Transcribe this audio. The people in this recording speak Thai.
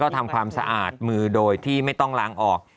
ทำความสะอาดมือโดยที่ไม่ต้องล้างออก